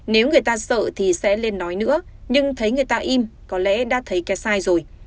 nếu người ta sợ thì sẽ lên nói nữa nhưng thấy người ta im có lẽ đã thấy cái sai rồi